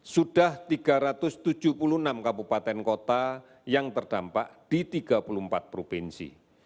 sudah tiga ratus tujuh puluh enam kabupaten kota yang terdampak di tiga puluh empat provinsi